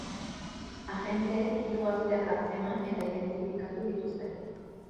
Agenteek hiru gazteak atzeman eta identifikatu dituzte.